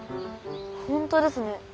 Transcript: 本当ですね。